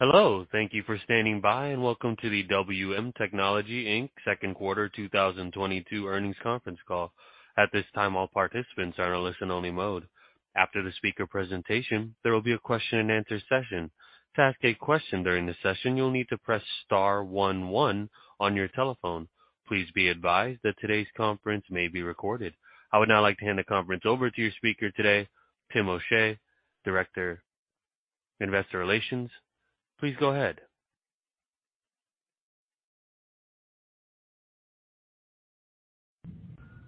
Hello, thank you for standing by, and welcome to the WM Technology Inc. 2nd quarter 2022 earnings conference call. At this time, all participants are in a listen only mode. After the speaker presentation, there will be a question and answer session. To ask a question during the session, you'll need to press star 1 1 on your telephone. Please be advised that today's conference may be recorded. I would now like to hand the conference over to your speaker today, Tim O'Shea, Director, Investor Relations. Please go ahead.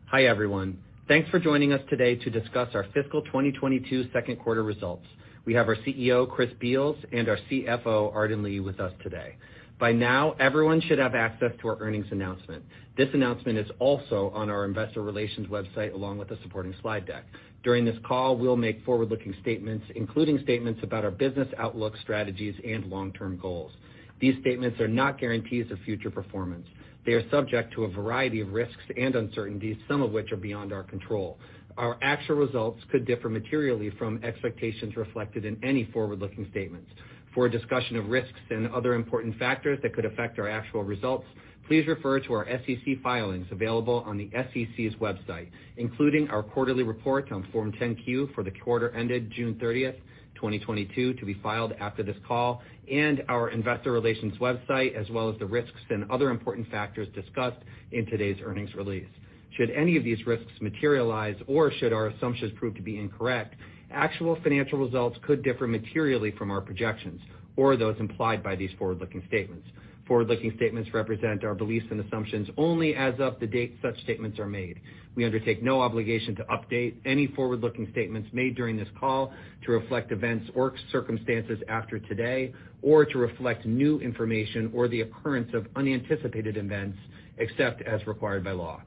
Hi, everyone. Thanks for joining us today to discuss our fiscal 2022 2nd quarter results. We have our CEO, Chris Beals, and our CFO, Arden Lee, with us today. By now, everyone should have access to our earnings announcement. This announcement is also on our investor relations website, along with the supporting slide deck. During this call, we'll make forward-looking statements, including statements about our business outlook, strategies, and long-term goals. These statements are not guarantees of future performance. They are subject to a variety of risks and uncertainties, some of which are beyond our control. Our actual results could differ materially from expectations reflected in any forward-looking statements. For a discussion of risks and other important factors that could affect our actual results, please refer to our SEC filings available on the SEC's website, including our quarterly report on Form 10-Q for the quarter ended June 30, 2022, to be filed after this call, and our investor relations website, as well as the risks and other important factors discussed in today's earnings release. Should any of these risks materialize or should our assumptions prove to be incorrect, actual financial results could differ materially from our projections or those implied by these forward-looking statements. Forward-looking statements represent our beliefs and assumptions only as of the date such statements are made. We undertake no obligation to update any forward-looking statements made during this call to reflect events or circumstances after today, or to reflect new information or the occurrence of unanticipated events, except as required by law.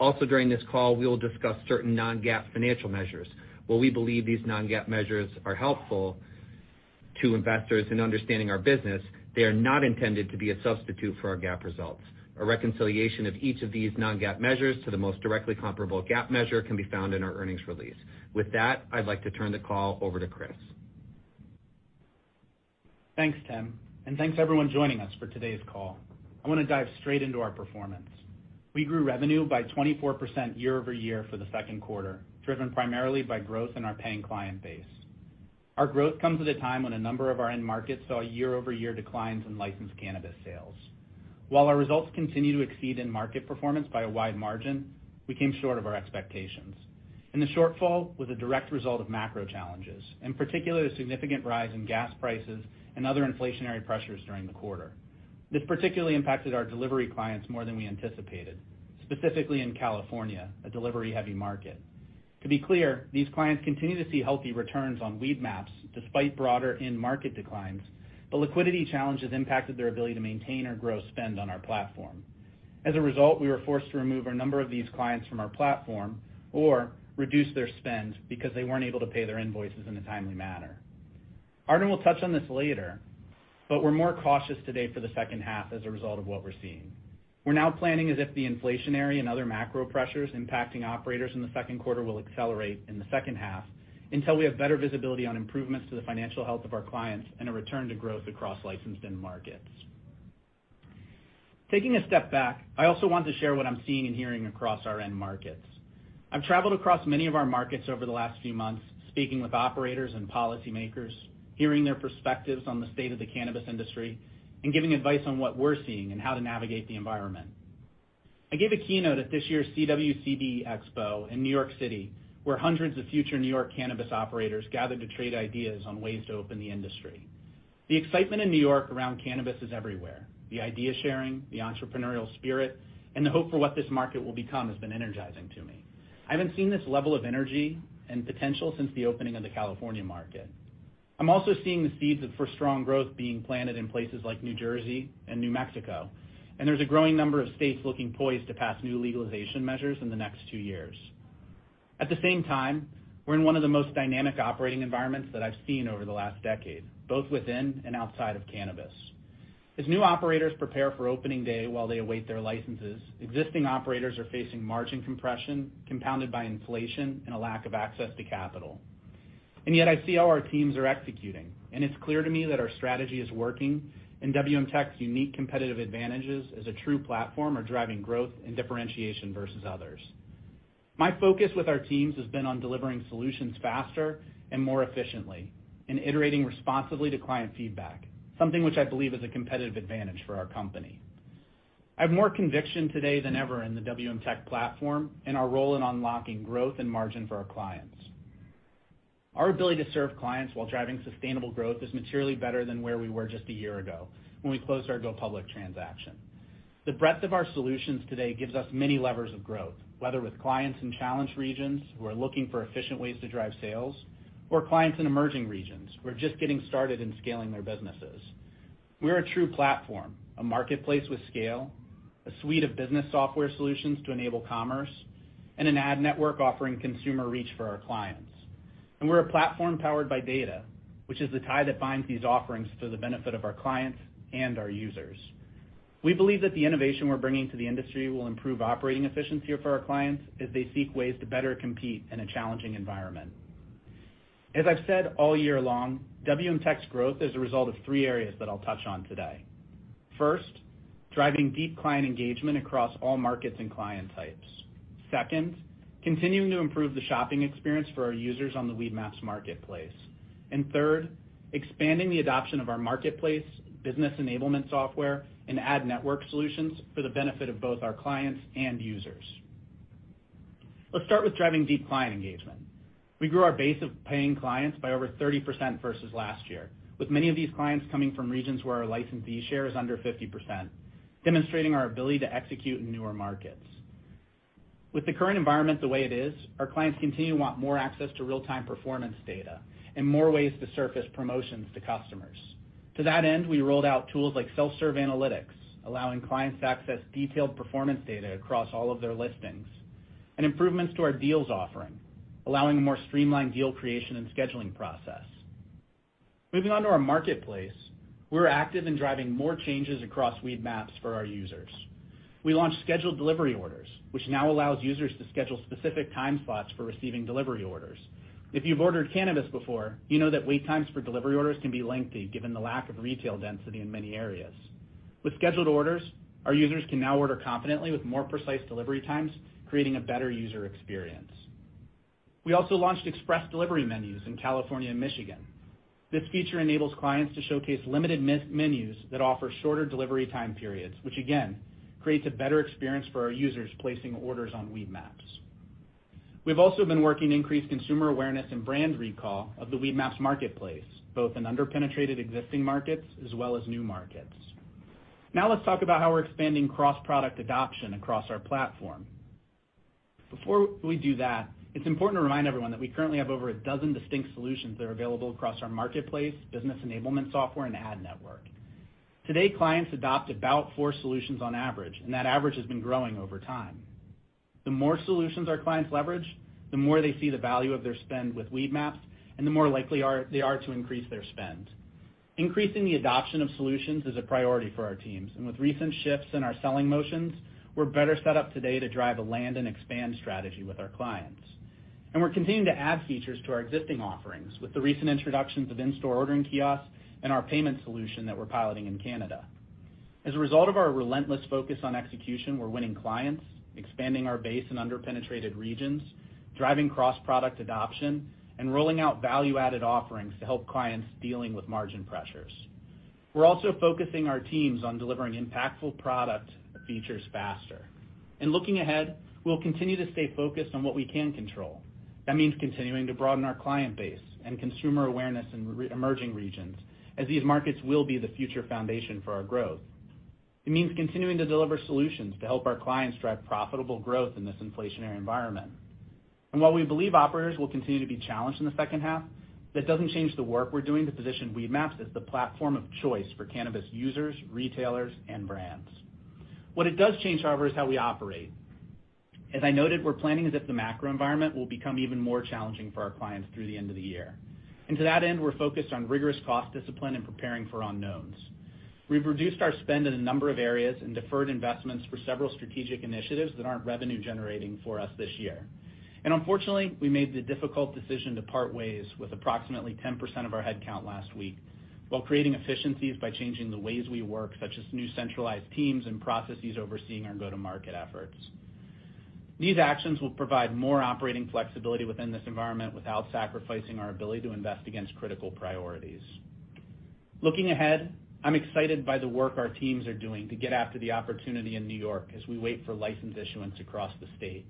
Also, during this call, we will discuss certain non-GAAP financial measures. While we believe these non-GAAP measures are helpful to investors in understanding our business, they are not intended to be a substitute for our GAAP results. A reconciliation of each of these non-GAAP measures to the most directly comparable GAAP measure can be found in our earnings release. With that, I'd like to turn the call over to Chris. Thanks, Tim, and thanks everyone joining us for today's call. I wanna dive straight into our performance. We grew revenue by 24% year-over-year for the 2nd quarter, driven primarily by growth in our paying client base. Our growth comes at a time when a number of our end markets saw year-over-year declines in licensed cannabis sales. While our results continue to exceed end market performance by a wide margin, we came short of our expectations, and the shortfall was a direct result of macro challenges, in particular, the significant rise in gas prices and other inflationary pressures during the quarter. This particularly impacted our delivery clients more than we anticipated, specifically in California, a delivery-heavy market. To be clear, these clients continue to see healthy returns on Weedmaps despite broader end market declines, but liquidity challenges impacted their ability to maintain or grow spend on our platform. As a result, we were forced to remove a number of these clients from our platform or reduce their spend because they weren't able to pay their invoices in a timely manner. Arden will touch on this later, but we're more cautious today for the second half as a result of what we're seeing. We're now planning as if the inflationary and other macro pressures impacting operators in the 2nd quarter will accelerate in the 2nd half until we have better visibility on improvements to the financial health of our clients and a return to growth across licensed end markets. Taking a step back, I also want to share what I'm seeing and hearing across our end markets. I've traveled across many of our markets over the last few months, speaking with operators and policymakers, hearing their perspectives on the state of the cannabis industry, and giving advice on what we're seeing and how to navigate the environment. I gave a keynote at this year's CWCBExpo in New York City, where hundreds of future New York cannabis operators gathered to trade ideas on ways to open the industry. The excitement in New York around cannabis is everywhere. The idea sharing, the entrepreneurial spirit, and the hope for what this market will become has been energizing to me. I haven't seen this level of energy and potential since the opening of the California market. I'm also seeing the seeds for strong growth being planted in places like New Jersey and New Mexico, and there's a growing number of states looking poised to pass new legalization measures in the next 2 years. At the same time, we're in one of the most dynamic operating environments that I've seen over the last decade, both within and outside of cannabis. As new operators prepare for opening day while they await their licenses, existing operators are facing margin compression compounded by inflation and a lack of access to capital. Yet I see how our teams are executing, and it's clear to me that our strategy is working and WM Tech's unique competitive advantages as a true platform are driving growth and differentiation versus others. My focus with our teams has been on delivering solutions faster and more efficiently and iterating responsibly to client feedback, something which I believe is a competitive advantage for our company. I have more conviction today than ever in the WM Tech platform and our role in unlocking growth and margin for our clients. Our ability to serve clients while driving sustainable growth is materially better than where we were just a year ago when we closed our go public transaction. The breadth of our solutions today gives us many levers of growth, whether with clients in challenged regions who are looking for efficient ways to drive sales, or clients in emerging regions who are just getting started in scaling their businesses. We're a true platform, a marketplace with scale, a suite of business software solutions to enable commerce, and an ad network offering consumer reach for our clients. We're a platform powered by data, which is the tie that binds these offerings to the benefit of our clients and our users. We believe that the innovation we're bringing to the industry will improve operating efficiency for our clients as they seek ways to better compete in a challenging environment. As I've said all year long, WM Tech's growth is a result of three areas that I'll touch on today. First, driving deep client engagement across all markets and client types. Second, continuing to improve the shopping experience for our users on the Weedmaps marketplace. Third, expanding the adoption of our marketplace business enablement software and ad network solutions for the benefit of both our clients and users. Let's start with driving deep client engagement. We grew our base of paying clients by over 30% versus last year, with many of these clients coming from regions where our license fee share is under 50%, demonstrating our ability to execute in newer markets. With the current environment the way it is, our clients continue to want more access to real-time performance data and more ways to surface promotions to customers. To that end, we rolled out tools like self-serve analytics, allowing clients to access detailed performance data across all of their listings, and improvements to our deals offering, allowing a more streamlined deal creation and scheduling process. Moving on to our marketplace, we're active in driving more changes across Weedmaps for our users. We launched scheduled delivery orders, which now allows users to schedule specific time slots for receiving delivery orders. If you've ordered cannabis before, you know that wait times for delivery orders can be lengthy given the lack of retail density in many areas. With scheduled orders, our users can now order confidently with more precise delivery times, creating a better user experience. We also launched express delivery menus in California and Michigan. This feature enables clients to showcase limited menus that offer shorter delivery time periods, which again, creates a better experience for our users placing orders on Weedmaps. We've also been working to increase consumer awareness and brand recall of the Weedmaps marketplace, both in under-penetrated existing markets as well as new markets. Now let's talk about how we're expanding cross-product adoption across our platform. Before we do that, it's important to remind everyone that we currently have over a dozen distinct solutions that are available across our marketplace, business enablement software, and ad network. Today, clients adopt about four solutions on average, and that average has been growing over time. The more solutions our clients leverage, the more they see the value of their spend with Weedmaps, and the more likely they are to increase their spend. Increasing the adoption of solutions is a priority for our teams, and with recent shifts in our selling motions, we're better set up today to drive a land and expand strategy with our clients. We're continuing to add features to our existing offerings with the recent introductions of in-store ordering kiosks and our payment solution that we're piloting in Canada. As a result of our relentless focus on execution, we're winning clients, expanding our base in under-penetrated regions, driving cross-product adoption, and rolling out value-added offerings to help clients dealing with margin pressures. We're also focusing our teams on delivering impactful product features faster. Looking ahead, we'll continue to stay focused on what we can control. That means continuing to broaden our client base and consumer awareness in re-emerging regions, as these markets will be the future foundation for our growth. It means continuing to deliver solutions to help our clients drive profitable growth in this inflationary environment. While we believe operators will continue to be challenged in the second half, that doesn't change the work we're doing to position Weedmaps as the platform of choice for cannabis users, retailers, and brands. What it does change, however, is how we operate. As I noted, we're planning as if the macro environment will become even more challenging for our clients through the end of the year. To that end, we're focused on rigorous cost discipline and preparing for unknowns. We've reduced our spend in a number of areas and deferred investments for several strategic initiatives that aren't revenue generating for us this year. Unfortunately, we made the difficult decision to part ways with approximately 10% of our headcount last week while creating efficiencies by changing the ways we work, such as new centralized teams and processes overseeing our go-to-market efforts. These actions will provide more operating flexibility within this environment without sacrificing our ability to invest against critical priorities. Looking ahead, I'm excited by the work our teams are doing to get after the opportunity in New York as we wait for license issuance across the state.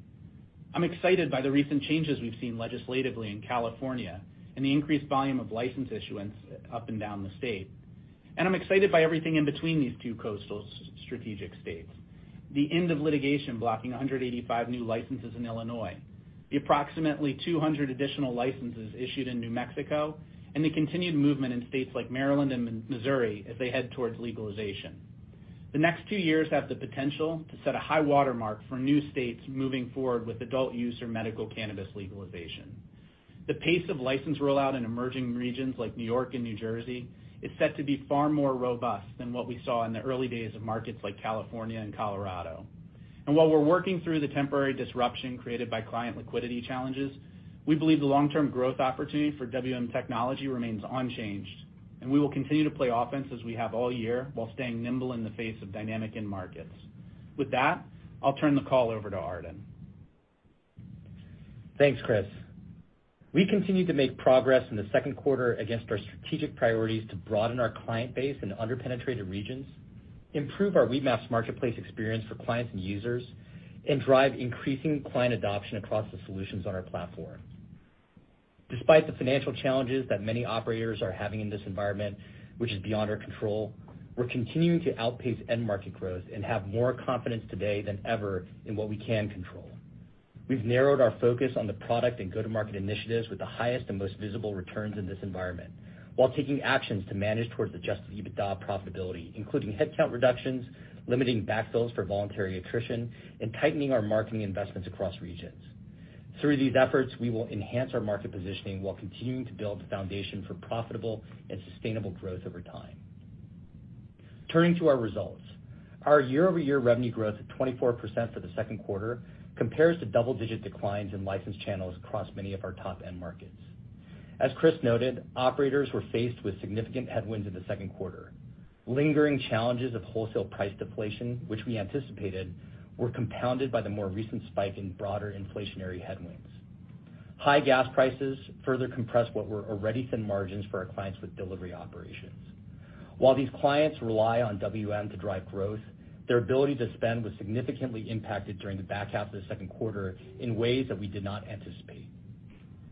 I'm excited by the recent changes we've seen legislatively in California and the increased volume of license issuance up and down the state. I'm excited by everything in between these 2 coastal strategic states. The end of litigation blocking 185 new licenses in Illinois, the approximately 200 additional licenses issued in New Mexico, and the continued movement in states like Maryland and Missouri as they head towards legalization. The next 2 years have the potential to set a high watermark for new states moving forward with adult use or medical cannabis legalization. The pace of license rollout in emerging regions like New York and New Jersey is set to be far more robust than what we saw in the early days of markets like California and Colorado. While we're working through the temporary disruption created by client liquidity challenges, we believe the long-term growth opportunity for WM Technology remains unchanged, and we will continue to play offense as we have all year while staying nimble in the face of dynamic end markets. With that, I'll turn the call over to Arden. Thanks, Chris. We continued to make progress in the 2nd quarter against our strategic priorities to broaden our client base in under-penetrated regions, improve our Weedmaps marketplace experience for clients and users, and drive increasing client adoption across the solutions on our platform. Despite the financial challenges that many operators are having in this environment, which is beyond our control, we're continuing to outpace end-market growth and have more confidence today than ever in what we can control. We've narrowed our focus on the product and go-to-market initiatives with the highest and most visible returns in this environment while taking actions to manage towards adjusted EBITDA profitability, including headcount reductions, limiting backfills for voluntary attrition, and tightening our marketing investments across regions. Through these efforts, we will enhance our market positioning while continuing to build the foundation for profitable and sustainable growth over time. Turning to our results, our year-over-year revenue growth of 24% for the 2nd quarter compares to double-digit declines in licensed channels across many of our top end markets. As Chris noted, operators were faced with significant headwinds in the 2nd quarter. Lingering challenges of wholesale price deflation, which we anticipated, were compounded by the more recent spike in broader inflationary headwinds. High gas prices further compressed what were already thin margins for our clients with delivery operations. While these clients rely on WM to drive growth, their ability to spend was significantly impacted during the back half of the 2nd quarter in ways that we did not anticipate.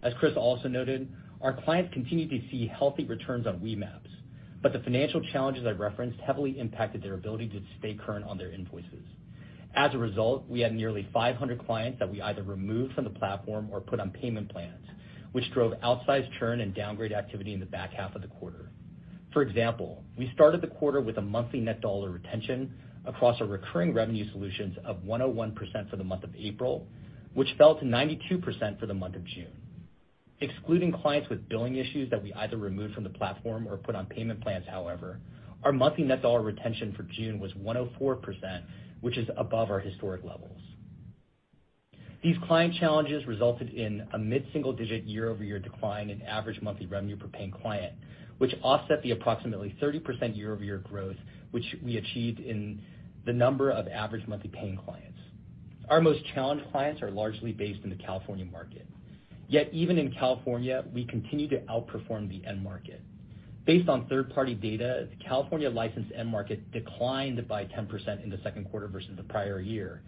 As Chris also noted, our clients continued to see healthy returns on Weedmaps, but the financial challenges I referenced heavily impacted their ability to stay current on their invoices. As a result, we had nearly 500 clients that we either removed from the platform or put on payment plans, which drove outsized churn and downgrade activity in the back half of the quarter. For example, we started the quarter with a monthly net dollar retention across our recurring revenue solutions of 101% for the month of April, which fell to 92% for the month of June. Excluding clients with billing issues that we either removed from the platform or put on payment plans however, our monthly net dollar retention for June was 104%, which is above our historic levels. These client challenges resulted in a mid-single digit year-over-year decline in average monthly revenue per paying client, which offset the approximately 30% year-over-year growth, which we achieved in the number of average monthly paying clients. Our most challenged clients are largely based in the California market. Yet, even in California, we continue to outperform the end market. Based on 3rd party data, the California licensed end market declined by 10% in the 2nd quarter versus the prior year.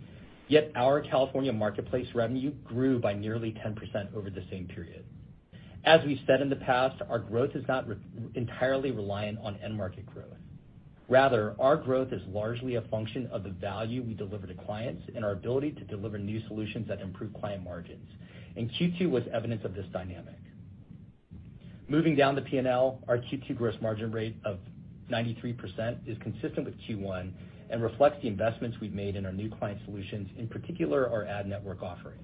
Yet our California marketplace revenue grew by nearly 10% over the same period. As we said in the past, our growth is not entirely reliant on end market growth. Rather, our growth is largely a function of the value we deliver to clients and our ability to deliver new solutions that improve client margins, and Q2 was evidence of this dynamic. Moving down the P&L, our Q2 gross margin rate of 93% is consistent with Q1 and reflects the investments we've made in our new client solutions, in particular, our ad network offering.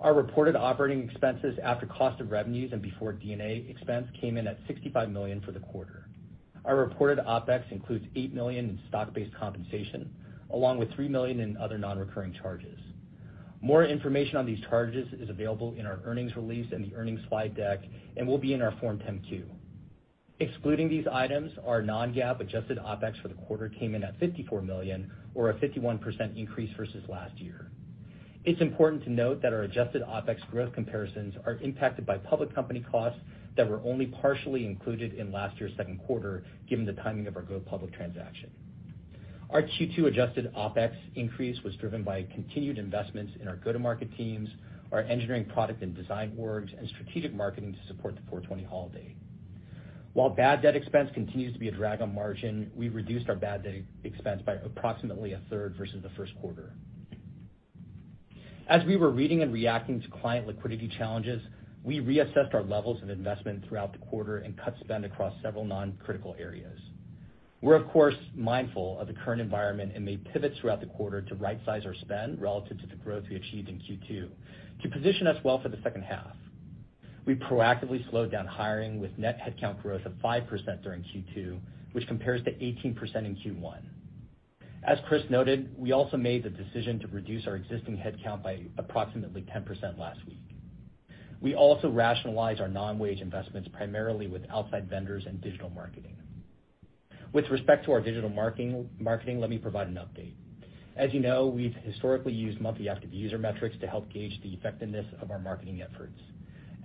Our reported operating expenses after cost of revenues and before D&A expense came in at $65 million for the quarter. Our reported OPEX includes $8 million in stock-based compensation, along with $3 million in other non-recurring charges. More information on these charges is available in our earnings release and the earnings slide deck, and will be in our Form 10-Q. Excluding these items, our non-GAAP adjusted OPEX for the quarter came in at $54 million or a 51% increase versus last year. It's important to note that our adjusted OPEX growth comparisons are impacted by public company costs that were only partially included in last year's 2nd quarter given the timing of our go public transaction. Our Q2 adjusted OPEX increase was driven by continued investments in our go-to-market teams, our engineering product and design orgs, and strategic marketing to support the 4/20 holiday. While bad debt expense continues to be a drag on margin, we reduced our bad debt expense by approximately a third versus the first quarter. As we were reading and reacting to client liquidity challenges, we reassessed our levels of investment throughout the quarter and cut spend across several non-critical areas. We're of course, mindful of the current environment and made pivots throughout the quarter to right-size our spend relative to the growth we achieved in Q2 to position us well for the second half. We proactively slowed down hiring with net headcount growth of 5% during Q2, which compares to 18% in Q1. As Chris noted, we also made the decision to reduce our existing headcount by approximately 10% last week. We also rationalize our non-wage investments primarily with outside vendors and digital marketing. With respect to our digital marketing, let me provide an update. As you know, we've historically used monthly active user metrics to help gauge the effectiveness of our marketing efforts.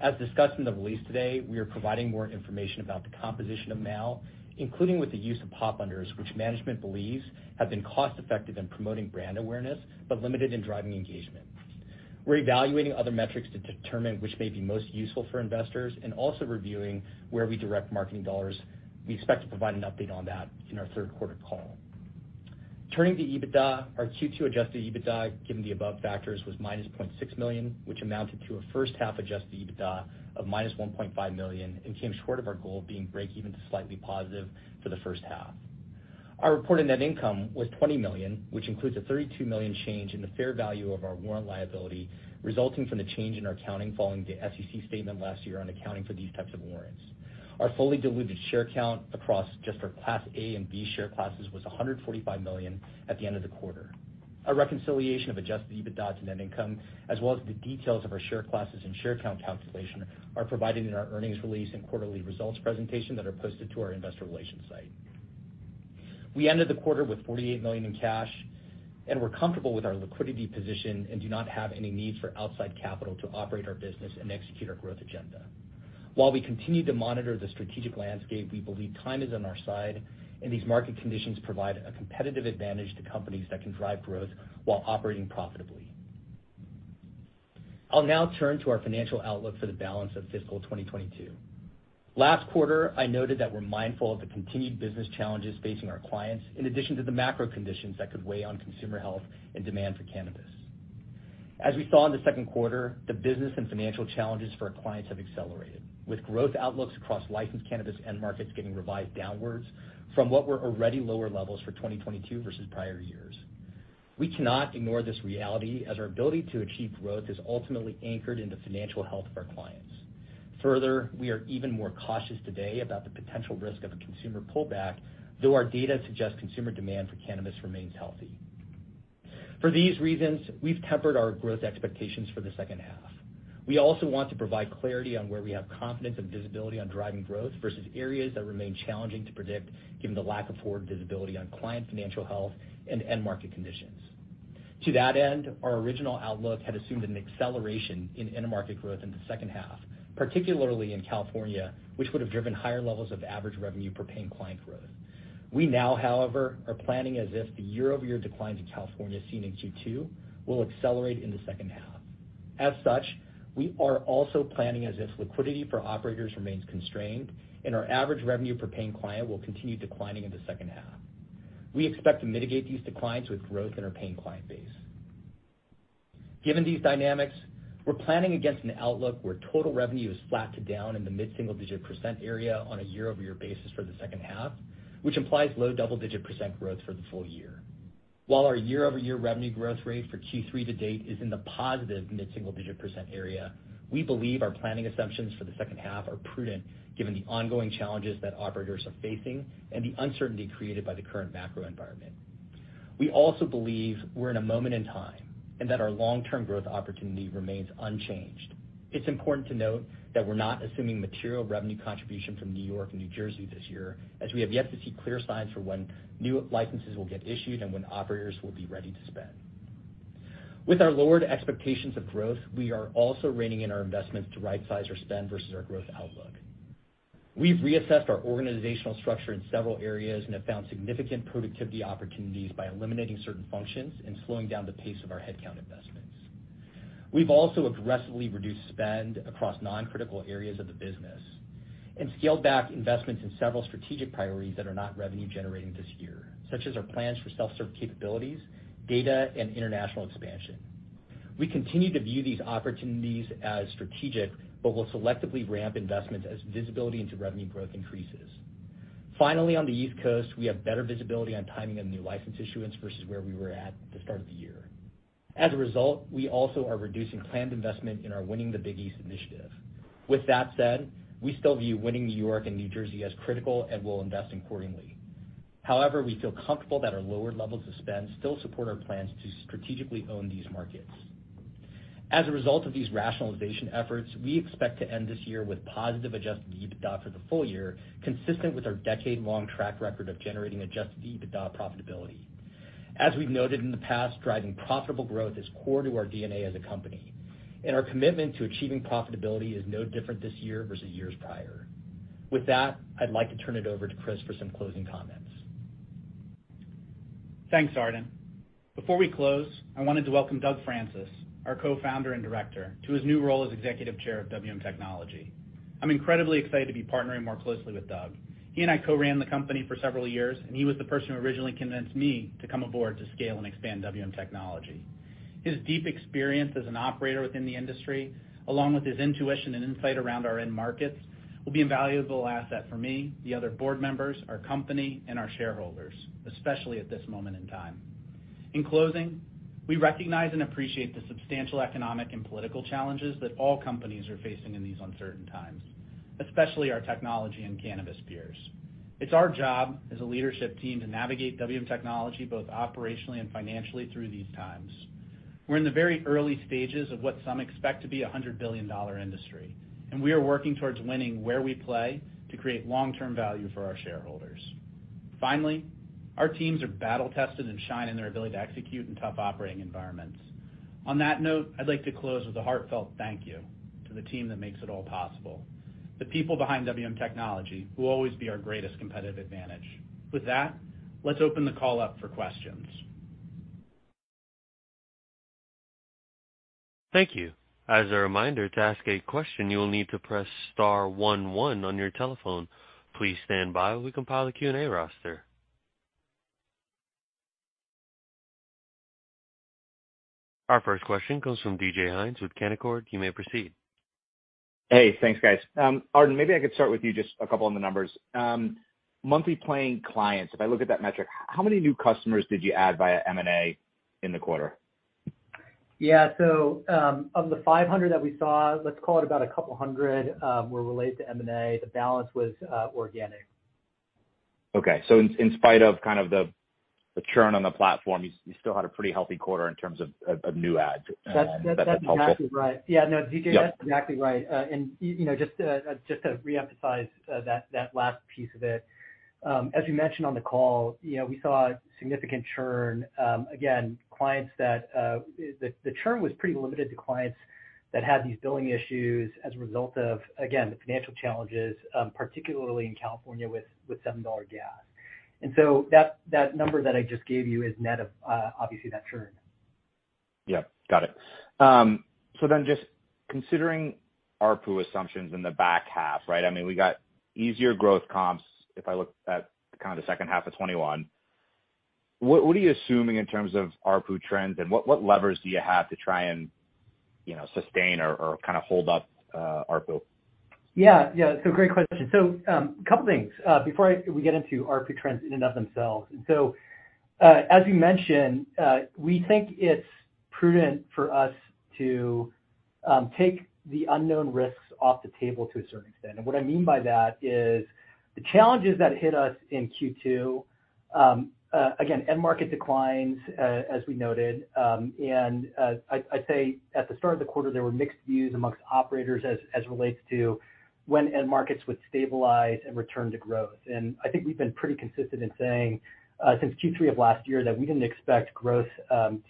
As discussed in the release today, we are providing more information about the composition of MAU, including with the use of pop-unders, which management believes have been cost-effective in promoting brand awareness, but limited in driving engagement. We're evaluating other metrics to determine which may be most useful for investors and also reviewing where we direct marketing dollars. We expect to provide an update on that in our 3rd quarter call. Turning to EBITDA, our Q2 adjusted EBITDA, given the above factors, was -$0.6 million, which amounted to a first half adjusted EBITDA of -$1.5 million and came short of our goal of being breakeven to slightly positive for the first half. Our reported net income was $20 million, which includes a $32 million change in the fair value of our warrant liability resulting from the change in our accounting following the SEC statement last year on accounting for these types of warrants. Our fully diluted share count across just our Class A and B share classes was 145 million at the end of the quarter. Our reconciliation of adjusted EBITDA to net income, as well as the details of our share classes and share count calculation, are provided in our earnings release and quarterly results presentation that are posted to our investor relations site. We ended the quarter with $48 million in cash, and we're comfortable with our liquidity position and do not have any needs for outside capital to operate our business and execute our growth agenda. While we continue to monitor the strategic landscape, we believe time is on our side, and these market conditions provide a competitive advantage to companies that can drive growth while operating profitably. I'll now turn to our financial outlook for the balance of fiscal 2022. Last quarter, I noted that we're mindful of the continued business challenges facing our clients, in addition to the macro conditions that could weigh on consumer health and demand for cannabis. As we saw in the 2nd quarter, the business and financial challenges for our clients have accelerated, with growth outlooks across licensed cannabis end markets getting revised downwards from what were already lower levels for 2022 versus prior years. We cannot ignore this reality as our ability to achieve growth is ultimately anchored in the financial health of our clients. Further, we are even more cautious today about the potential risk of a consumer pullback, though our data suggests consumer demand for cannabis remains healthy. For these reasons, we've tempered our growth expectations for the second half. We also want to provide clarity on where we have confidence and visibility on driving growth versus areas that remain challenging to predict given the lack of forward visibility on client financial health and end market conditions. To that end, our original outlook had assumed an acceleration in end market growth in the second half, particularly in California, which would have driven higher levels of average revenue per paying client growth. We now, however, are planning as if the year-over-year decline to California seen in Q2 will accelerate in the second half. As such, we are also planning as if liquidity for operators remains constrained and our average revenue per paying client will continue declining in the second half. We expect to mitigate these declines with growth in our paying client base. Given these dynamics, we're planning against an outlook where total revenue is flat to down in the mid-single digit % area on a year-over-year basis for the second half, which implies low double-digit % growth for the full year. While our year-over-year revenue growth rate for Q3 to date is in the positive mid-single digit % area, we believe our planning assumptions for the second half are prudent given the ongoing challenges that operators are facing and the uncertainty created by the current macro environment. We also believe we're in a moment in time, and that our long-term growth opportunity remains unchanged. It's important to note that we're not assuming material revenue contribution from New York and New Jersey this year, as we have yet to see clear signs for when new licenses will get issued and when operators will be ready to spend. With our lowered expectations of growth, we are also reining in our investments to right-size our spend versus our growth outlook. We've reassessed our organizational structure in several areas and have found significant productivity opportunities by eliminating certain functions and slowing down the pace of our headcount investments. We've also aggressively reduced spend across non-critical areas of the business and scaled back investments in several strategic priorities that are not revenue-generating this year, such as our plans for self-serve capabilities, data, and international expansion. We continue to view these opportunities as strategic, but will selectively ramp investments as visibility into revenue growth increases. Finally, on the East Coast, we have better visibility on timing of new license issuance versus where we were at the start of the year. As a result, we also are reducing planned investment in our Winning the Big East initiative. With that said, we still view winning New York and New Jersey as critical and will invest accordingly. However, we feel comfortable that our lower levels of spend still support our plans to strategically own these markets. As a result of these rationalization efforts, we expect to end this year with positive adjusted EBITDA for the full year, consistent with our decade-long track record of generating adjusted EBITDA profitability. As we've noted in the past, driving profitable growth is core to our D&A as a company, and our commitment to achieving profitability is no different this year versus years prior. With that, I'd like to turn it over to Chris for some closing comments. Thanks, Arden. Before we close, I wanted to welcome Doug Francis, our co-founder and director, to his new role as Executive Chair of WM Technology. I'm incredibly excited to be partnering more closely with Doug. He and I co-ran the company for several years, and he was the person who originally convinced me to come aboard to scale and expand WM Technology. His deep experience as an operator within the industry, along with his intuition and insight around our end markets, will be invaluable asset for me, the other board members, our company, and our shareholders, especially at this moment in time. In closing, we recognize and appreciate the substantial economic and political challenges that all companies are facing in these uncertain times, especially our technology and cannabis peers. It's our job as a leadership team to navigate WM Technology both operationally and financially through these times. We're in the very early stages of what some expect to be a $100 billion industry, and we are working towards winning where we play to create long-term value for our shareholders. Finally, our teams are battle-tested and shine in their ability to execute in tough operating environments. On that note, I'd like to close with a heartfelt thank you to the team that makes it all possible. The people behind WM Technology will always be our greatest competitive advantage. With that, let's open the call up for questions. Thank you. As a reminder, to ask a question, you will need to press star 1 1 on your telephone. Please stand by while we compile the Q&A roster. Our first question comes from DJ Hynes with Canaccord. You may proceed. Hey. Thanks, guys. Arden, maybe I could start with you just a couple on the numbers. Monthly paying clients, if I look at that metric, how many new customers did you add via M&A in the quarter? Yeah. Of the 500 that we saw, let's call it about a couple 100 were related to M&A. The balance was organic. Okay. In spite of kind of the churn on the platform, you still had a pretty healthy quarter in terms of new adds. That's helpful. That's exactly right. Yeah, no, DJ, that's exactly right. You know, just to reemphasize that last piece of it, as you mentioned on the call, you know, we saw significant churn, again, clients that the churn was pretty limited to clients that had these billing issues as a result of, again, the financial challenges, particularly in California with $7 gas. That number that I just gave you is net of, obviously that churn. Yeah. Got it. Just considering ARPU assumptions in the back half, right? I mean, we got easier growth comps if I look at kind of the second half of 2021. What are you assuming in terms of ARPU trends, and what levers do you have to try and You know, sustain or kind of hold up ARPU. Yeah. Yeah. Great question. A couple things before we get into ARPU trends in and of themselves. As you mentioned, we think it's prudent for us to take the unknown risks off the table to a certain extent. What I mean by that is the challenges that hit us in Q2, again, end market declines, as we noted, and I'd say at the start of the quarter, there were mixed views among operators as it relates to when end markets would stabilize and return to growth. I think we've been pretty consistent in saying, since Q3 of last year that we didn't expect growth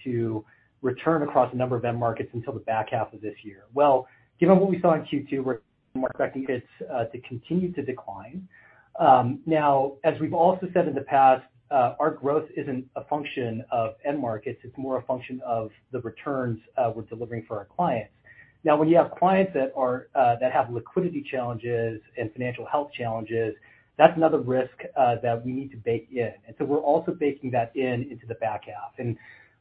to return across a number of end markets until the back half of this year. Well, given what we saw in Q2, we're more expecting it to continue to decline. Now, as we've also said in the past, our growth isn't a function of end markets, it's more a function of the returns we're delivering for our clients. Now, when you have clients that are that have liquidity challenges and financial health challenges, that's another risk that we need to bake in. We're also baking that in into the back half.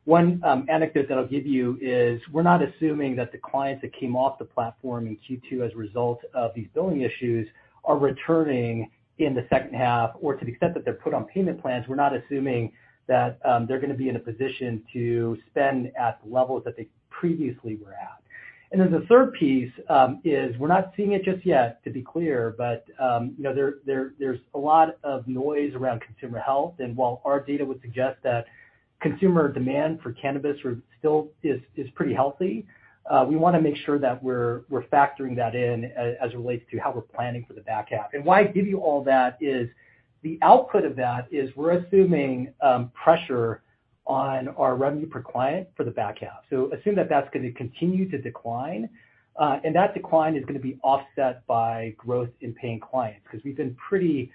One anecdote that I'll give you is we're not assuming that the clients that came off the platform in Q2 as a result of these billing issues are returning in the second half. Or to the extent that they're put on payment plans, we're not assuming that they're gonna be in a position to spend at the levels that they previously were at. The third piece is we're not seeing it just yet, to be clear, but, you know, there's a lot of noise around consumer health. While our data would suggest that consumer demand for cannabis is still pretty healthy, we wanna make sure that we're factoring that in as it relates to how we're planning for the back half. Why I give you all that is the output of that is we're assuming pressure on our revenue per client for the back half. Assume that that's gonna continue to decline, and that decline is gonna be offset by growth in paying clients, because we've been pretty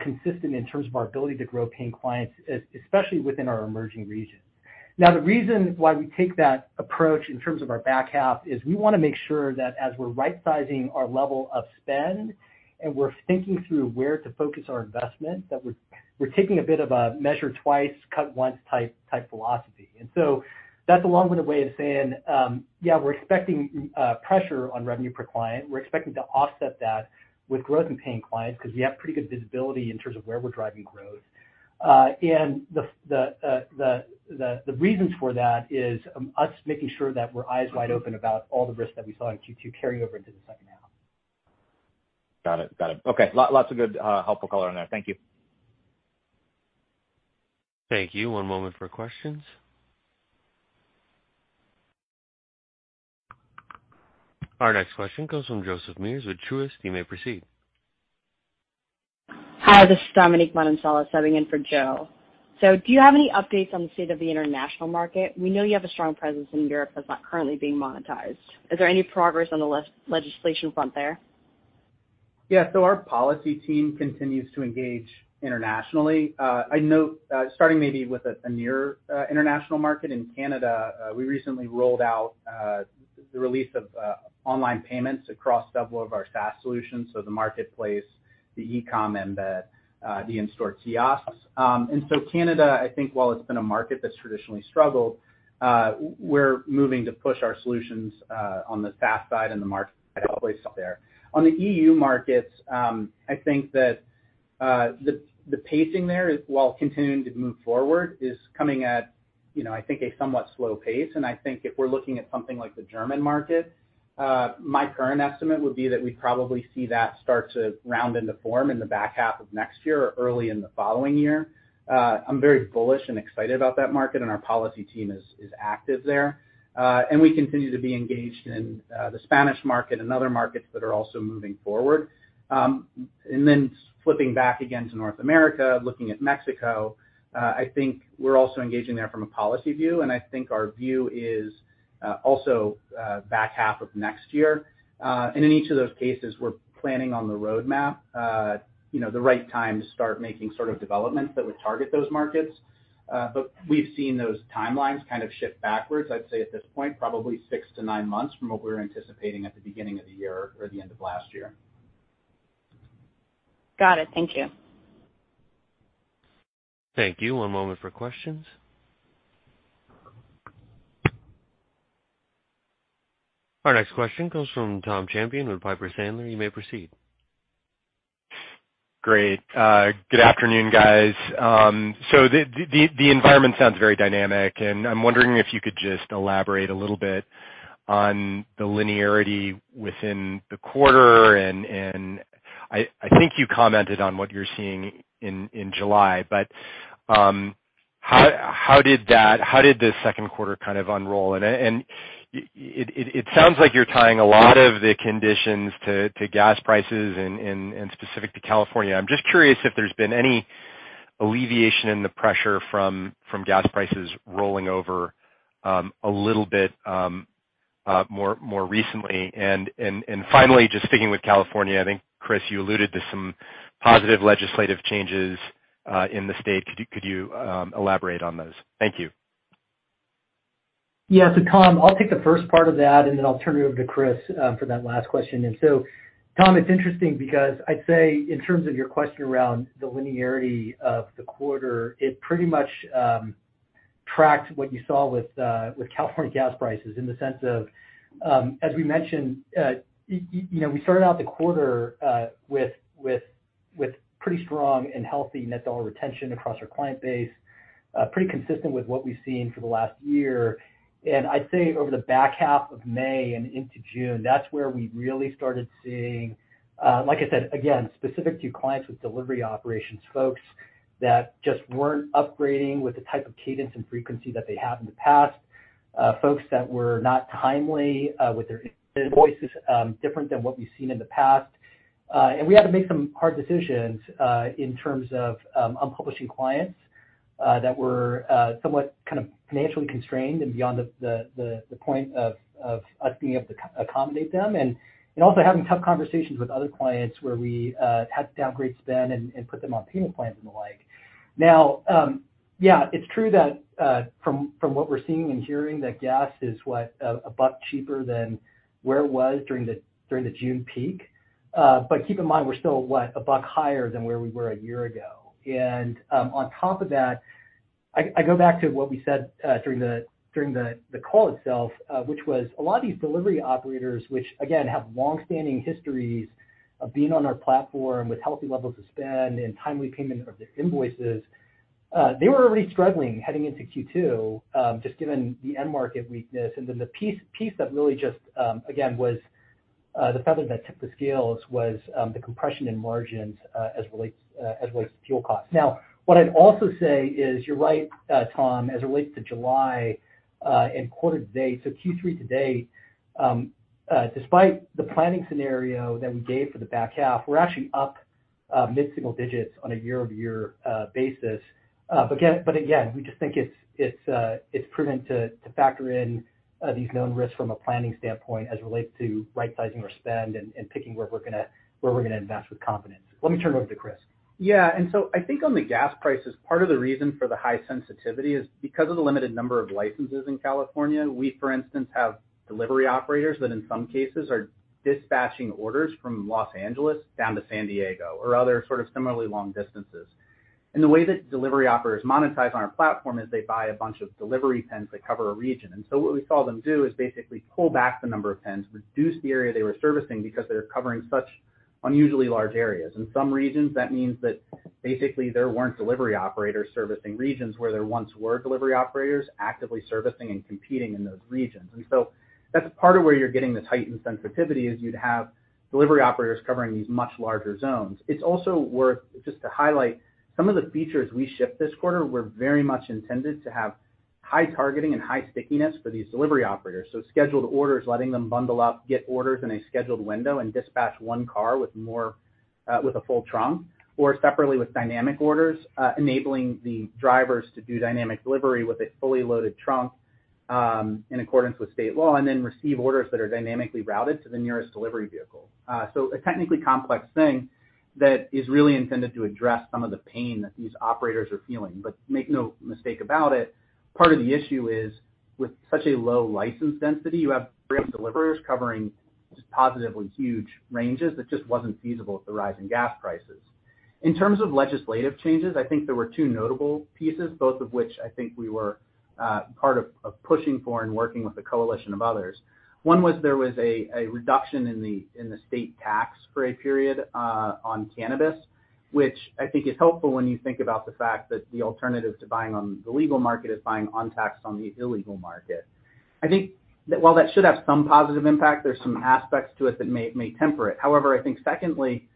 consistent in terms of our ability to grow paying clients, especially within our emerging regions. Now, the reason why we take that approach in terms of our back half is we wanna make sure that as we're right sizing our level of spend, and we're thinking through where to focus our investment, that we're taking a bit of a measure twice, cut once type philosophy. That's a long-winded way of saying, yeah, we're expecting pressure on revenue per client. We're expecting to offset that with growth in paying clients because we have pretty good visibility in terms of where we're driving growth. The reasons for that is us making sure that we're eyes wide open about all the risks that we saw in Q2 carry over into the second half. Got it. Okay. Lots of good, helpful color on there. Thank you. Thank you. One moment for questions. Our next question comes from Joseph Vafi with Truist. You may proceed. Hi, this is Dominique Manansala subbing in for Joe. Do you have any updates on the state of the international market? We know you have a strong presence in Europe that's not currently being monetized. Is there any progress on the legislation front there? Yeah. Our policy team continues to engage internationally. I know, starting maybe with a near international market in Canada, we recently rolled out the release of online payments across several of our SaaS solutions, so the marketplace, the e-com, and the in-store kiosks. Canada, I think while it's been a market that's traditionally struggled, we're moving to push our solutions on the SaaS side and the marketplace there. On the EU markets, I think that the pacing there is, while continuing to move forward, is coming at, you know, I think a somewhat slow pace. I think if we're looking at something like the German market, my current estimate would be that we probably see that start to round into form in the back half of next year or early in the following year. I'm very bullish and excited about that market, and our policy team is active there. We continue to be engaged in the Spanish market and other markets that are also moving forward. Flipping back again to North America, looking at Mexico, I think we're also engaging there from a policy view, and I think our view is also back half of next year. In each of those cases, we're planning on the roadmap, you know, the right time to start making sort of developments that would target those markets. We've seen those timelines kind of shift backwards. I'd say at this point, probably 6-9 months from what we were anticipating at the beginning of the year or the end of last year. Got it. Thank you. Thank you. One moment for questions. Our next question comes from Tom Champion with Piper Sandler. You may proceed. Great. Good afternoon, guys. The environment sounds very dynamic, and I'm wondering if you could just elaborate a little bit on the linearity within the quarter? I think you commented on what you're seeing in July, but how did the 2nd quarter kind of unroll? It sounds like you're tying a lot of the conditions to gas prices and specific to California. I'm just curious if there's been any alleviation in the pressure from gas prices rolling over a little bit more recently? Finally, just sticking with California, I think, Chris, you alluded to some positive legislative changes in the state. Could you elaborate on those? Thank you. Yeah. Tom, I'll take the first part of that, and then I'll turn it over to Chris for that last question. Tom, it's interesting because I'd say in terms of your question around the linearity of the quarter, it pretty much tracked what you saw with California cannabis prices in the sense of, as we mentioned, you know, we started out the quarter with pretty strong and healthy net dollar retention across our client base, pretty consistent with what we've seen for the last year. I'd say over the back half of May and into June, that's where we really started seeing, like I said, again, specific to clients with delivery operations, folks that just weren't upgrading with the type of cadence and frequency that they have in the past, folks that were not timely with their invoices, different than what we've seen in the past. We had to make some hard decisions in terms of unpublishing clients that were somewhat kind of financially constrained and beyond the point of us being able to accommodate them. Also having tough conversations with other clients where we had to downgrade spend and put them on payment plans and the like. Now, yeah, it's true that from what we're seeing and hearing that gas is $1 cheaper than where it was during the June peak. Keep in mind, we're still $1 higher than where we were a year ago. On top of that, I go back to what we said during the call itself, which was a lot of these delivery operators, which again, have long-standing histories of being on our platform with healthy levels of spend and timely payment of their invoices, they were already struggling heading into Q2 just given the end market weakness. Then the piece that really just again was the feather that tipped the scales was the compression in margins as relates to fuel costs. Now, what I'd also say is, you're right, Tom, as it relates to July, and quarter to date, so Q3 to date, despite the planning scenario that we gave for the back half, we're actually up, mid-single digits on a year-over-year basis. Again, we just think it's prudent to factor in these known risks from a planning standpoint as it relates to right sizing our spend and picking where we're gonna invest with confidence. Let me turn it over to Chris. Yeah. I think on the gas prices, part of the reason for the high sensitivity is because of the limited number of licenses in California. For instance, we have delivery operators that in some cases are dispatching orders from Los Angeles down to San Diego or other sort of similarly long distances. The way that delivery operators monetize on our platform is they buy a bunch of delivery zones that cover a region. What we saw them do is basically pull back the number of zones, reduce the area they were servicing because they're covering such unusually large areas. In some regions, that means that basically there weren't delivery operators servicing regions where there once were delivery operators actively servicing and competing in those regions. That's part of where you're getting the heightened sensitivity, is you'd have delivery operators covering these much larger zones. It's also worth just to highlight some of the features we shipped this quarter were very much intended to have high targeting and high stickiness for these delivery operators. Scheduled orders, letting them bundle up, get orders in a scheduled window and dispatch one car with more, with a full trunk, or separately with dynamic orders, enabling the drivers to do dynamic delivery with a fully loaded trunk, in accordance with state law, and then receive orders that are dynamically routed to the nearest delivery vehicle. A technically complex thing that is really intended to address some of the pain that these operators are feeling. Make no mistake about it, part of the issue is with such a low license density, you have brave deliverers covering just positively huge ranges that just wasn't feasible with the rise in gas prices. In terms of legislative changes, I think there were two notable pieces, both of which I think we were part of pushing for and working with a coalition of others. One was there was a reduction in the state tax for a period on cannabis, which I think is helpful when you think about the fact that the alternative to buying on the legal market is buying untaxed on the illegal market. I think that while that should have some positive impact, there's some aspects to it that may temper it. However, I think secondly,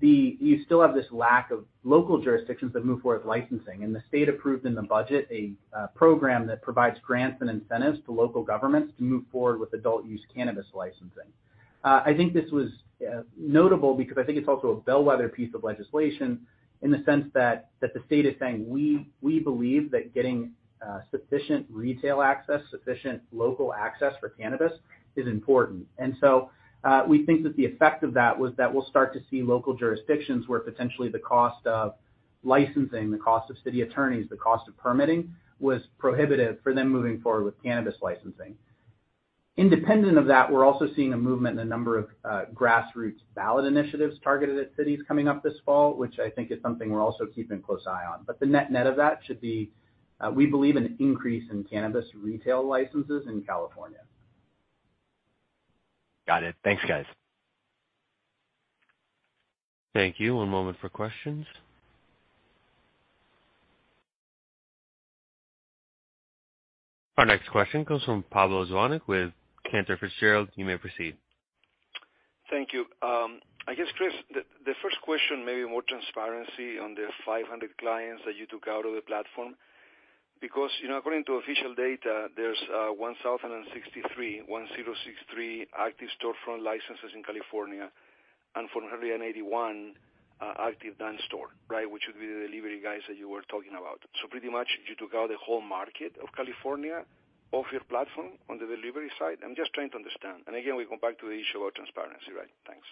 then you still have this lack of local jurisdictions that move forward with licensing, and the state approved in the budget a program that provides grants and incentives to local governments to move forward with adult use cannabis licensing. I think this was notable because I think it's also a bellwether piece of legislation in the sense that the state is saying, "We believe that getting sufficient retail access, sufficient local access for cannabis is important." We think that the effect of that was that we'll start to see local jurisdictions where potentially the cost of licensing, the cost of city attorneys, the cost of permitting was prohibitive for them moving forward with cannabis licensing. Independent of that, we're also seeing a movement in a number of grassroots ballot initiatives targeted at cities coming up this fall, which I think is something we're also keeping a close eye on. The net-net of that should be, we believe an increase in cannabis retail licenses in California. Got it. Thanks, guys. Thank you. One moment for questions. Our next question comes from Pablo Zuanic with Cantor Fitzgerald. You may proceed. Thank you. I guess, Chris, the first question may be more transparency on the 500 clients that you took out of the platform, because, you know, according to official data, there's 1,063 active storefront licenses in California, and 481 active non-store, right? Which would be the delivery guys that you were talking about. So pretty much you took out the whole market of California off your platform on the delivery side. I'm just trying to understand. Again, we come back to the issue about transparency, right? Thanks.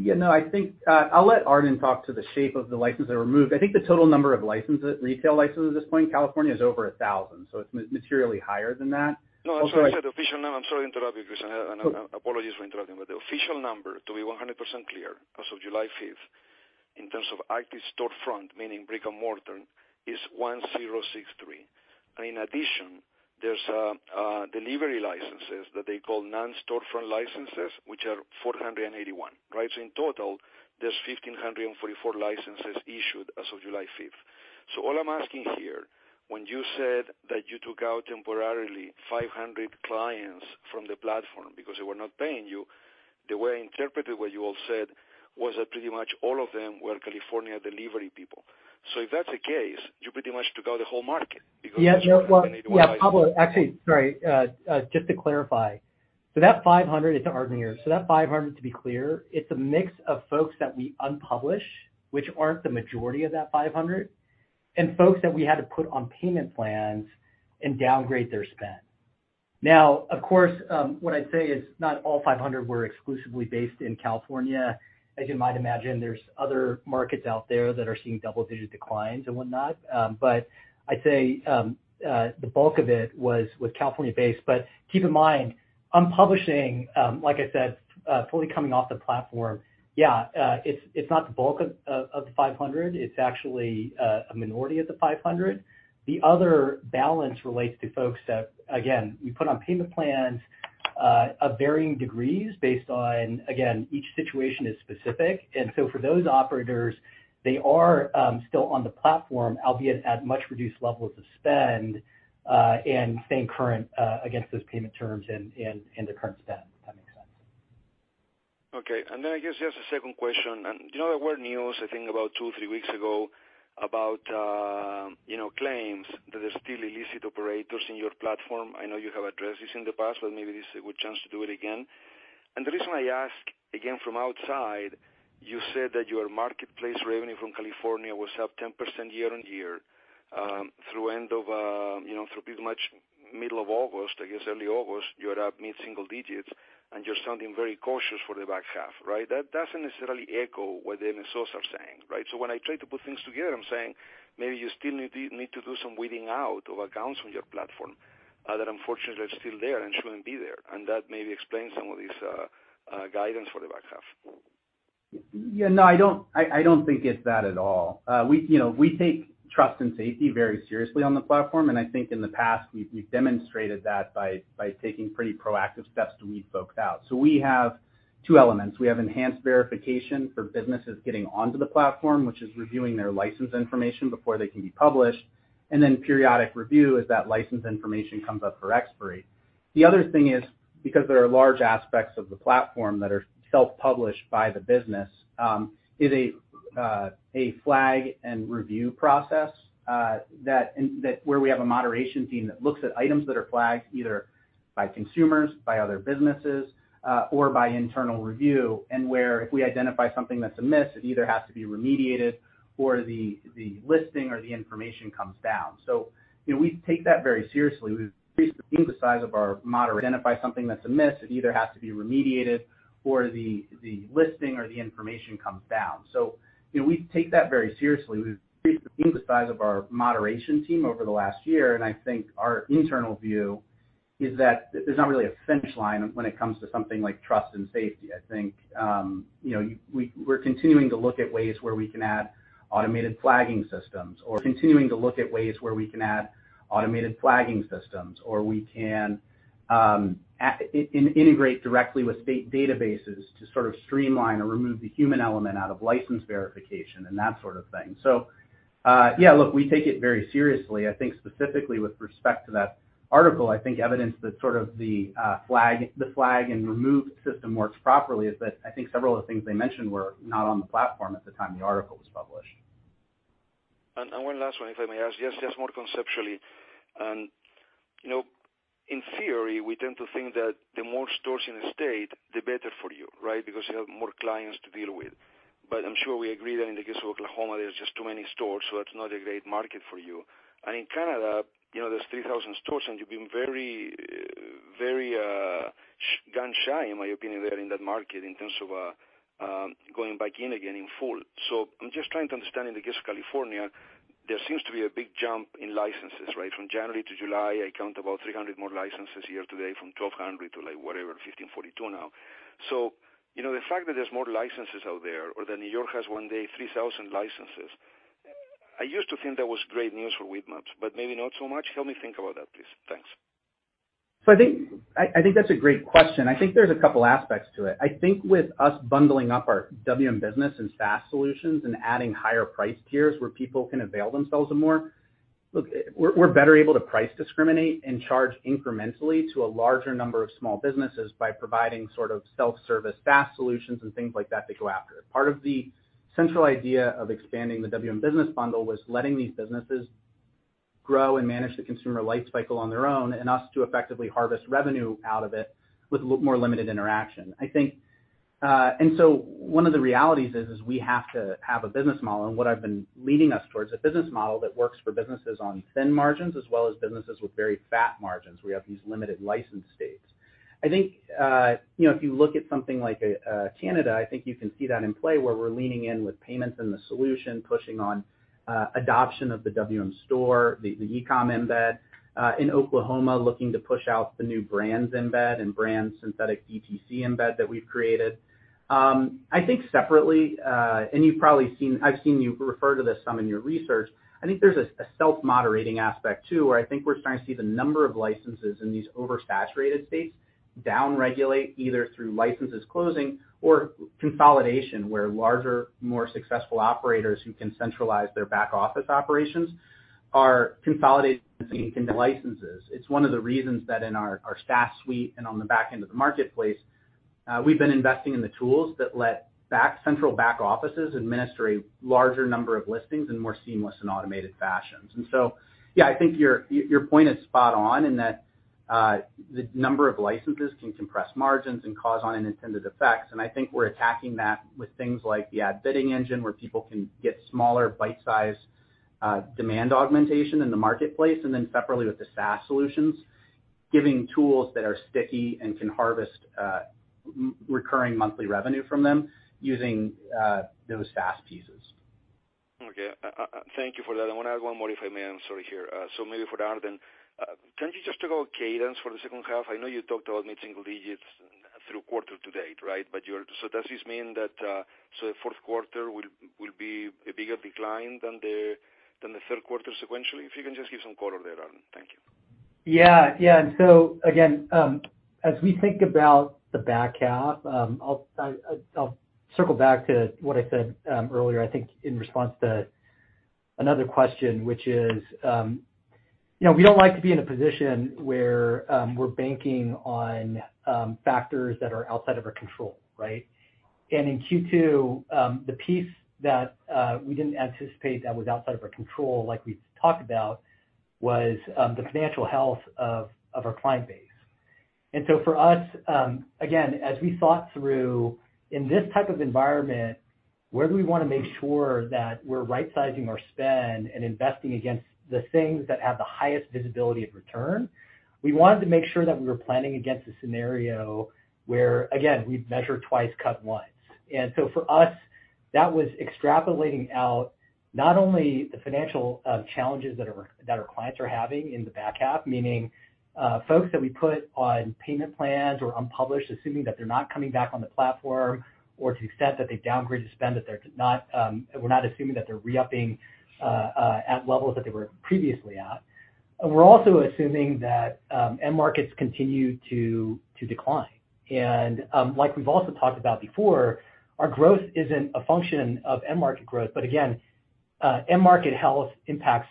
Yeah, no, I think, I'll let Arden talk to the shape of the licenses that were removed. I think the total number of licenses, retail licenses at this point in California is over 1,000, so it's materially higher than that. No, I'm sorry. I said official now. I'm sorry to interrupt you, Chris. I apologies for interrupting. The official number, to be 100% clear, as of July 5th, in terms of active storefront, meaning brick-and-mortar, is 1,063. In addition, there's delivery licenses that they call non-storefront licenses, which are 481. Right? In total, there's 1,544 licenses issued as of July 5th. All I'm asking here, when you said that you took out temporarily 500 clients from the platform because they were not paying you, the way I interpreted what you all said was that pretty much all of them were California delivery people. If that's the case, you pretty much took out the whole market because. Yeah. No. Well, yeah, probably. Actually, sorry. Just to clarify. That 500 is Arden here. That 500, to be clear, it's a mix of folks that we unpublish, which aren't the majority of that 500, and folks that we had to put on payment plans and downgrade their spend. Now, of course, what I'd say is not all 500 were exclusively based in California. As you might imagine, there's other markets out there that are seeing double-digit declines and whatnot. I'd say the bulk of it was California-based. Keep in mind, unpublishing, like I said, fully coming off the platform, it's not the bulk of the 500, it's actually a minority of the 500. The other balance relates to folks that, again, we put on payment plans of varying degrees based on, again, each situation is specific. For those operators, they are still on the platform, albeit at much reduced levels of spend, and staying current against those payment terms and the current spend. If that makes sense. Okay. I guess just a second question. You know, there were news, I think about 2-3 weeks ago about, you know, claims that there's still illicit operators in your platform. I know you have addressed this in the past, but maybe this is a good chance to do it again. The reason I ask, again from outside, you said that your marketplace revenue from California was up 10% year-over-year, through end of, you know, through pretty much middle of August, I guess early August, you're up mid-single digits, and you're sounding very cautious for the back half, right? That doesn't necessarily echo what the MSOs are saying, right? When I try to put things together, I'm saying maybe you still need to do some weeding out of accounts on your platform, that unfortunately are still there and shouldn't be there. That maybe explains some of this guidance for the back half. Yeah. No, I don't think it's that at all. We, you know, take trust and safety very seriously on the platform, and I think in the past we've demonstrated that by taking pretty proactive steps to weed folks out. We have two elements. We have enhanced verification for businesses getting onto the platform, which is reviewing their license information before they can be published, and then periodic review as that license information comes up for expiry. The other thing is, because there are large aspects of the platform that are self-published by the business, is a flag and review process, that in. That's where we have a moderation team that looks at items that are flagged either by consumers, by other businesses, or by internal review, and where if we identify something that's amiss, it either has to be remediated or the listing or the information comes down. You know, we take that very seriously. We've increased the size of our moderation team over the last year, and I think our internal view is that there's not really a finish line when it comes to something like trust and safety. I think, you know, you. We're continuing to look at ways where we can add automated flagging systems, or we can AI-integrate directly with state databases to sort of streamline or remove the human element out of license verification and that sort of thing. Yeah, look, we take it very seriously. I think specifically with respect to that article, I think evidence that sort of the flag and remove system works properly is that I think several of the things they mentioned were not on the platform at the time the article was published. One last one, if I may ask, just more conceptually. You know, in theory, we tend to think that the more stores in the state, the better for you, right? Because you have more clients to deal with. I'm sure we agree that in the case of Oklahoma, there's just too many stores, so that's not a great market for you. In Canada, you know, there's 3,000 stores, and you've been very gun-shy, in my opinion, there in that market in terms of going back in again in full. I'm just trying to understand in the case of California, there seems to be a big jump in licenses, right? From January to July, I count about 300 more licenses year to date, from 1,200 to, like, whatever, 1,542 now. You know, the fact that there's more licenses out there or that New York has one day 3,000 licenses, I used to think that was great news for Weedmaps, but maybe not so much. Help me think about that, please. Thanks. I think that's a great question. I think there's a couple aspects to it. I think with us bundling up our WM business and SaaS solutions and adding higher price tiers where people can avail themselves more, look, we're better able to price discriminate and charge incrementally to a larger number of small businesses by providing sort of self-service SaaS solutions and things like that to go after. Part of the central idea of expanding the WM business bundle was letting these businesses grow and manage the consumer life cycle on their own and us to effectively harvest revenue out of it with more limited interaction. I think. One of the realities is we have to have a business model, and what I've been leading us towards a business model that works for businesses on thin margins as well as businesses with very fat margins. We have these limited license states I think, you know, if you look at something like Canada, I think you can see that in play where we're leaning in with payments in the solution, pushing on adoption of the WM Store, the e-com embed, in Oklahoma, looking to push out the new brands embed and brand-specific DTC embed that we've created. I think separately, and you've probably seen. I've seen you refer to this some in your research. I think there's a self-moderating aspect too, where I think we're starting to see the number of licenses in these oversaturated states down regulate either through licenses closing or consolidation, where larger, more successful operators who can centralize their back-office operations are consolidating licenses. It's one of the reasons that in our SaaS suite and on the back end of the marketplace, we've been investing in the tools that let central back offices administer a larger number of listings in more seamless and automated fashions. Yeah, I think your point is spot on in that, the number of licenses can compress margins and cause unintended effects. I think we're attacking that with things like the ad bidding engine, where people can get smaller bite-size demand augmentation in the marketplace. Separately with the SaaS solutions, giving tools that are sticky and can harvest recurring monthly revenue from them using those SaaS pieces. Okay. Thank you for that. I want to add one more, if I may. I'm sorry here. Maybe for Arden. Can you just talk about cadence for the second half? I know you talked about mid-single digits through quarter to date, right? Does this mean that the fourth quarter will be a bigger decline than the third quarter sequentially? If you can just give some color there, Arden. Thank you. Yeah. Yeah. Again, as we think about the back half, I'll circle back to what I said earlier, I think, in response to another question, which is, you know, we don't like to be in a position where we're banking on factors that are outside of our control, right? In Q2, the piece that we didn't anticipate that was outside of our control, like we talked about, was the financial health of our client base. For us, again, as we thought through in this type of environment, where do we wanna make sure that we're right sizing our spend and investing against the things that have the highest visibility of return? We wanted to make sure that we were planning against a scenario where, again, we'd measure twice, cut once. For us, that was extrapolating out not only the financial challenges that our clients are having in the back half, meaning folks that we put on payment plans or unpublished, assuming that they're not coming back on the platform, or to the extent that they downgraded spend, that they're not, we're not assuming that they're re-upping at levels that they were previously at. We're also assuming that end markets continue to decline. Like we've also talked about before, our growth isn't a function of end market growth, but again end market health impacts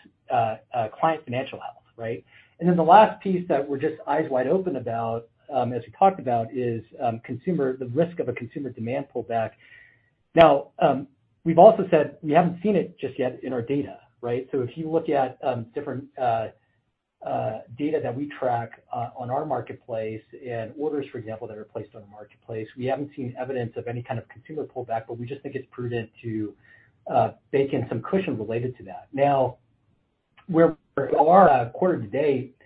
client financial health, right? The last piece that we're just eyes wide open about, as we talked about, is consumer, the risk of a consumer demand pullback. Now, we've also said we haven't seen it just yet in our data, right? If you look at different data that we track on our marketplace and orders, for example, that are placed on the marketplace, we haven't seen evidence of any kind of consumer pullback, but we just think it's prudent to bake in some cushion related to that. Now where we are quarter to date,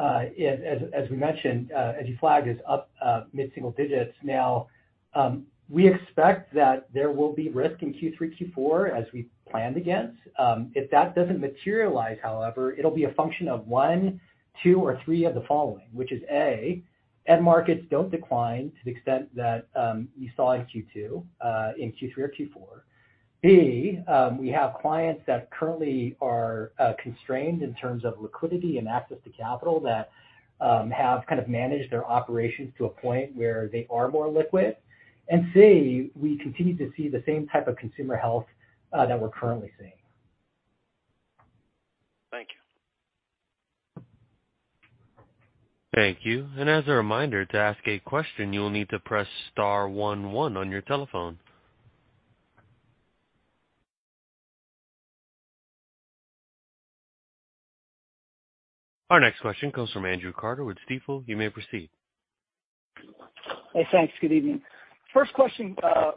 as we mentioned, as you flagged, is up mid-single digits. Now, we expect that there will be risk in Q3, Q4 as we planned against. If that doesn't materialize, however, it'll be a function of 1, 2, or 3 of the following, which is A, end markets don't decline to the extent that you saw in Q2, in Q3 or Q4. B, we have clients that currently are constrained in terms of liquidity and access to capital that have kind of managed their operations to a point where they are more liquid. C, we continue to see the same type of consumer health that we're currently seeing. Thank you. Thank you. As a reminder, to ask a question, you will need to press star one one on your telephone. Our next question comes from Andrew Carter with Stifel. You may proceed. Hey, thanks. Good evening. First question,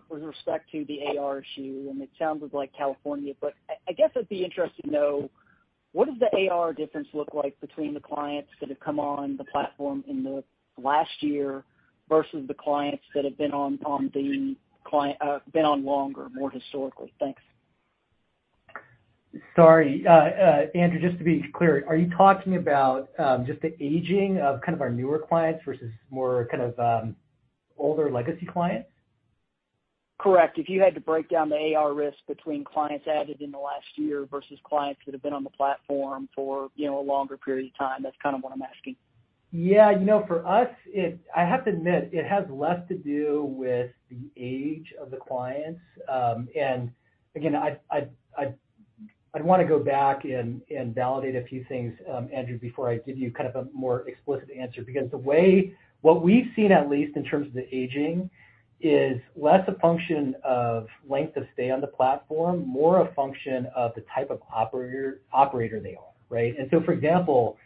with respect to the AR issue, it sounded like California, but I guess it'd be interesting to know what does the AR difference look like between the clients that have come on the platform in the last year versus the clients that have been on longer, more historically? Thanks. Sorry. Andrew, just to be clear, are you talking about just the aging of kind of our newer clients versus more kind of older legacy clients? Correct. If you had to break down the AR risk between clients added in the last year versus clients that have been on the platform for, you know, a longer period of time, that's kind of what I'm asking. Yeah. You know, for us, it, I have to admit, it has less to do with the age of the clients. Again, I'd wanna go back and validate a few things, Andrew, before I give you kind of a more explicit answer. Because what we've seen, at least in terms of the aging, is less a function of length of stay on the platform, more a function of the type of operator they are, right? For example,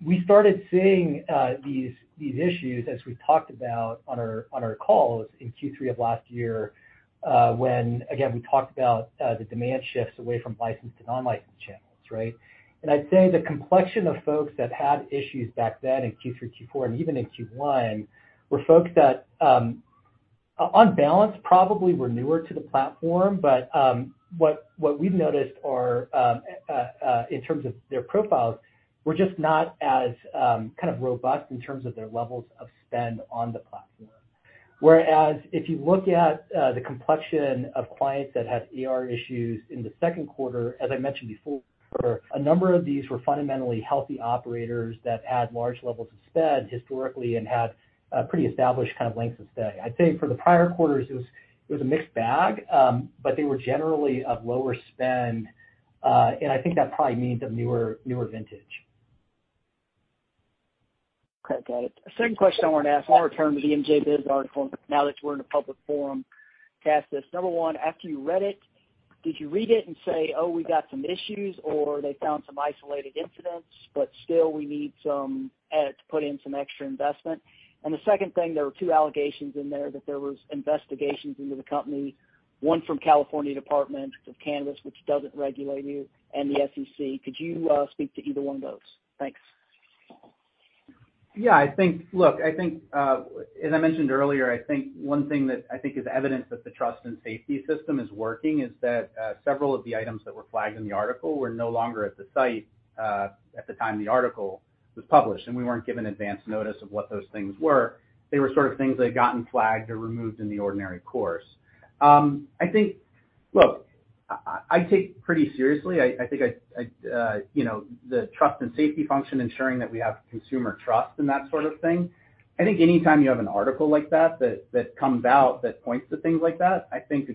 we started seeing these issues as we talked about on our calls in Q3 of last year, when again, we talked about the demand shifts away from licensed to non-licensed channels, right? I'd say the complexion of folks that had issues back then in Q3, Q4, and even in Q1, were folks that On balance, probably were newer to the platform. What we've noticed are in terms of their profiles, were just not as kind of robust in terms of their levels of spend on the platform. Whereas if you look at the complexion of clients that had AR issues in the 2nd quarter, as I mentioned before, a number of these were fundamentally healthy operators that had large levels of spend historically and had a pretty established kind of length of stay. I'd say for the prior quarters, it was a mixed bag, but they were generally of lower spend, and I think that probably means a newer vintage. Okay, got it. Second question I wanted to ask. I want to return to the MJBiz article now that we're in a public forum to ask this. Number one, after you read it, did you read it and say, "Oh, we got some issues," or they found some isolated incidents, but still we need some edit to put in some extra investment? And the second thing, there were two allegations in there that there was investigations into the company, one from California Department of Cannabis Control, which doesn't regulate you and the SEC. Could you speak to either one of those? Thanks. As I mentioned earlier, I think one thing that I think is evidence that the trust and safety system is working is that several of the items that were flagged in the article were no longer at the site at the time the article was published, and we weren't given advance notice of what those things were. They were sort of things that had gotten flagged or removed in the ordinary course. I take pretty seriously, you know, the trust and safety function, ensuring that we have consumer trust and that sort of thing. I think anytime you have an article like that that comes out that points to things like that, I think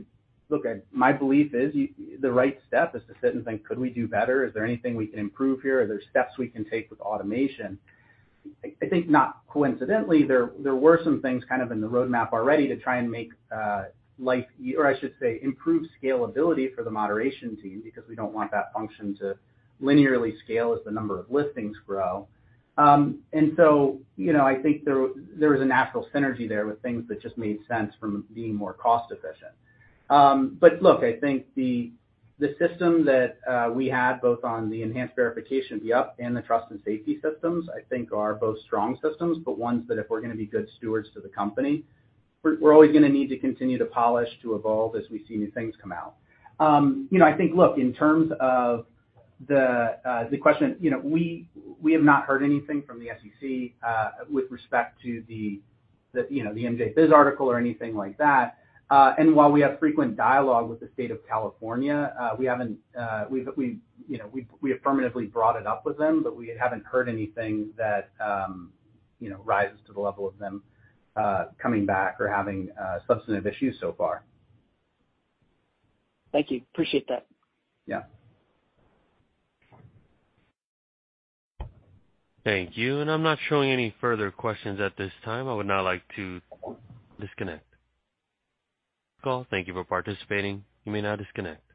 look, my belief is the right step is to sit and think, could we do better? Is there anything we can improve here? Are there steps we can take with automation? I think not coincidentally, there were some things kind of in the roadmap already to try and improve scalability for the moderation team because we don't want that function to linearly scale as the number of listings grow. You know, I think there is a natural synergy there with things that just made sense from being more cost efficient. Look, I think the system that we have both on the enhanced verification, the app and the trust and safety systems are both strong systems, but ones that if we're gonna be good stewards to the company, we're always gonna need to continue to polish, to evolve as we see new things come out. You know, I think in terms of the question, you know, we have not heard anything from the SEC with respect to the MJBizDaily article or anything like that. While we have frequent dialogue with the state of California, we affirmatively brought it up with them, but we haven't heard anything that, you know, rises to the level of them coming back or having substantive issues so far. Thank you. Appreciate that. Yeah. Thank you. I'm not showing any further questions at this time. I would now like to disconnect. Call, thank you for participating. You may now disconnect.